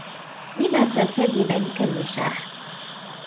لم ترتدي ذلك الوشاح؟